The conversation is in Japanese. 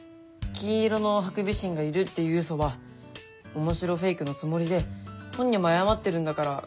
金色のハクビシンがいるっていうウソは面白フェイクのつもりで本人も謝ってるんだからいいんじゃないの？